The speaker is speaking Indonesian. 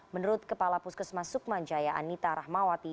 menurut kepala puskesmas sukmanjaya anita rahmawati